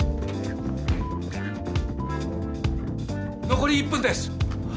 残り１分です！